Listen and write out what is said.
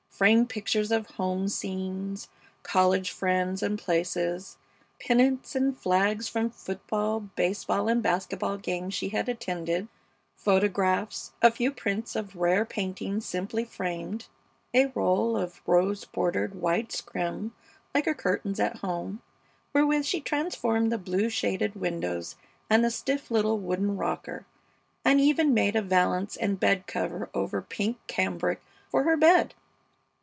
Framed pictures of home scenes, college friends and places, pennants, and flags from football, baseball, and basket ball games she had attended; photographs; a few prints of rare paintings simply framed; a roll of rose bordered white scrim like her curtains at home, wherewith she transformed the blue shaded windows and the stiff little wooden rocker, and even made a valance and bed cover over pink cambric for her bed.